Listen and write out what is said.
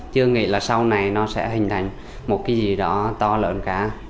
chưa nghĩ là sau này nó sẽ hình thành một cái gì đó to lớn cả